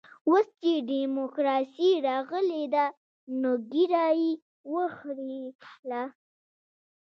اوس چې ډيموکراسي راغلې ده نو ږيره يې وخرېیله.